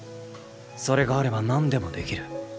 それがあれば何でもできる。